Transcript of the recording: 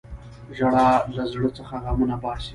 • ژړا له زړه څخه غمونه باسي.